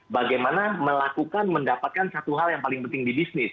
bagaimana melakukan mendapatkan satu hal yang paling penting di bisnis